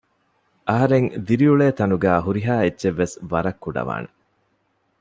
އަހަރެން ދިރިއުޅޭ ތަނުގައި ހުރިހާ އެއްޗެއްވެސް ވަރަށް ކުޑަވާނެ